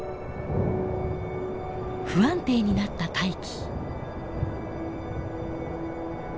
不安定になった大気。